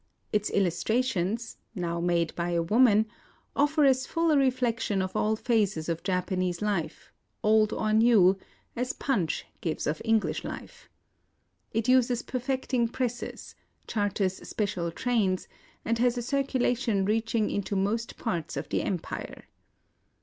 Its illustrations — now made by a woman — offer as full a reflection of all phases of Japa nese life, old or new, as Punch gives of Eng lish life. It uses perfecting presses, charters special trains, and has a circulation reaching into most parts of the empire.